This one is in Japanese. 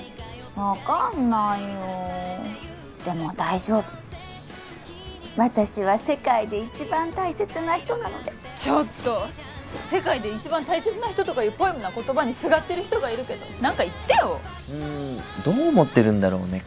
分かんないよでも大丈夫私は世界で一番大切な人なのでちょっと世界で一番大切な人とかいうポエムな言葉にすがってる人がいるけど何か言ってようんどう思ってるんだろうね